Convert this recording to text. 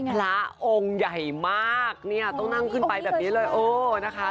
พระองค์ใหญ่มากเนี่ยต้องนั่งขึ้นไปแบบนี้เลยโอ้นะคะ